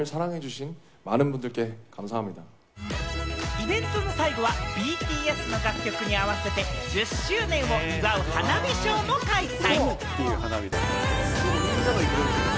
イベントの最後はＢＴＳの楽曲に合わせて１０周年を祝う花火ショーも開催。